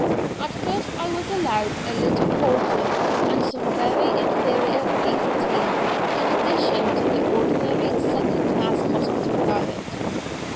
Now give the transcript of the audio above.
At first I was allowed a little porter and some very inferior beef tea, in addition to the ordinary second class hospital diet.